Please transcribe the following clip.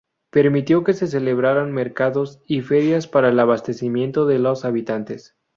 Permitió que se celebraran mercados y ferias para el abastecimiento de los habitantes.